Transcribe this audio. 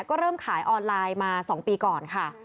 ก็เริ่มขายออนไลน์มา๒ปีก่อนค่ะ